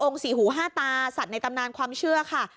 สี่หูห้าตาสัตว์ในตำนานความเชื่อค่ะ